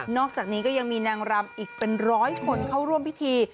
อกจากนี้ก็ยังมีนางรำอีกเป็นร้อยคนเข้าร่วมพิธี